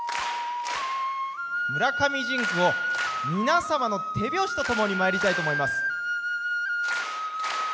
「村上甚句」を皆様の手拍子とともにまいりたいと思います。